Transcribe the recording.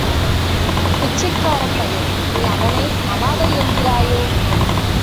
பிச்சைக்காரப்பயல் நீ அவனை அனாதையென்கிறாயோ!